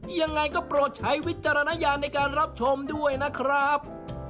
ยังไงก็โปรดใช้วิจารณญาณในการรับชมด้วยนะครับ